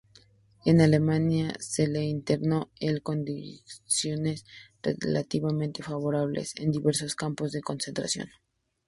En Alemania, se les internó —en condiciones relativamente favorables— en diversos campos de concentración.